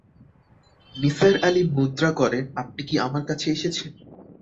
নিসার আলি মুদ্রা করেন, আপনি কি আমার কাছে এসেছেন?